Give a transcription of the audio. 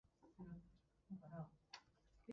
僕はスーパーの裏口を見つめる